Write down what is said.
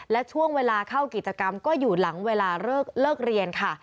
และช่วงเวลาเข้ากิจกรรมก็อยู่หลังเวลาเลิกเรียนค่ะ